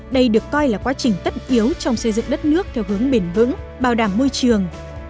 đây được coi là quá trình tất yếu trong xây dựng đất nước theo hướng bền vững bảo đảm môi trường